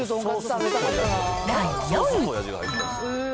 第４位。